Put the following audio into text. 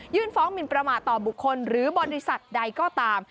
ฟ้องหมินประมาทต่อบุคคลหรือบริษัทใดก็ตาม